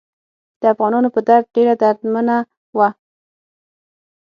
د افغانانو په درد ډیره دردمنه وه.